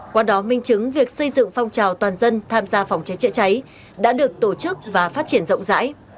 qua đó minh chứng việc xây dựng phong trào toàn dân tham gia phòng cháy chữa cháy đã được tổ chức và phát triển rộng rãi